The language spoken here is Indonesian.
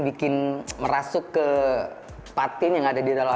bikin merasuk ke patin yang ada di dalam